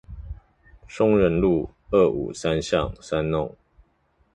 松仁路二五三巷三弄